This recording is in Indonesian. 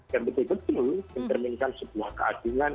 yang betul betul mencerminkan sebuah keadilan